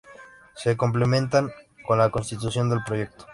Se complementan con la Constitución del proyecto